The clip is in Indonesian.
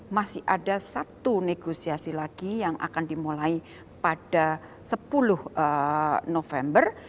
masih ada satu negosiasi lagi yang akan dimulai pada sepuluh november